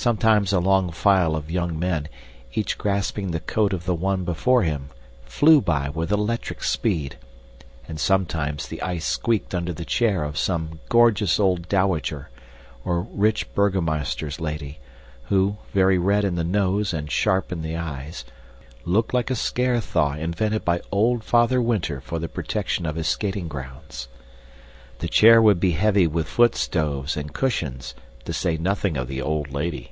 Sometimes a long file of young men, each grasping the coat of the one before him, flew by with electric speed; and sometimes the ice squeaked under the chair of some gorgeous old dowager, or rich burgomaster's lady, who, very red in the nose and sharp in the eyes, looked like a scare thaw invented by old Father Winter for the protection of his skating grounds. The chair would be heavy with foot stoves and cushions, to say nothing of the old lady.